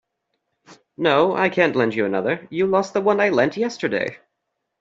No, I can't lend you another. You lost the one I lent yesterday!